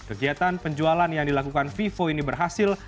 kegiatan penjualan yang dilakukan vivo ini berhasil